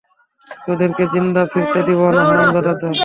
তোদেরকে জিন্দা ফিরতে দিবো না, হারামজাদার দল!